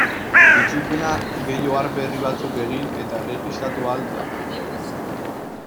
Itzulpena gehi ohar berri batzuk egin eta erregistratu ahal da.